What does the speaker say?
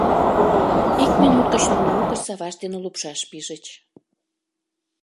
Ик минут гыч нуно угыч савашт дене лупшаш пижыч.